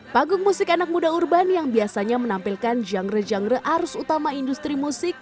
panggung musik anak muda urban yang biasanya menampilkan genre genre arus utama industri musik